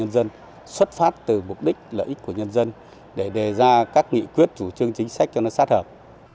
nhân dân xuất phát từ mục đích lợi ích của nhân dân để đề ra các nghị quyết chủ trương chính sách cho nó sát hợp